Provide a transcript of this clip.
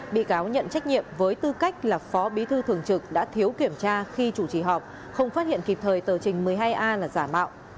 bị cáo nhận trách nhiệm với tư cách là phó bí thư thường trực đã thiếu kiểm tra khi chủ trì họp không phát hiện kịp thời tờ trình một mươi hai a là giả mạo